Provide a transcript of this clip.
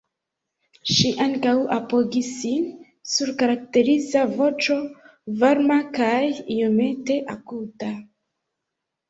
Ŝi ankaŭ apogis sin sur karakteriza voĉo, varma kaj iomete akuta.